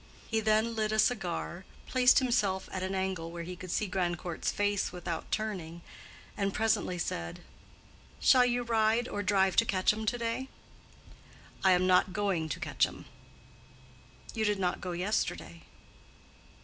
He then lit a cigar, placed himself at an angle where he could see Grandcourt's face without turning, and presently said, "Shall you ride or drive to Quetcham to day?" "I am not going to Quetcham." "You did not go yesterday."